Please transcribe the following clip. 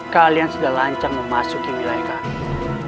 kalian sudah lancar memasuki wilayah kami